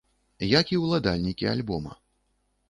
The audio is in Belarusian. Як і ўладальнікі альбома.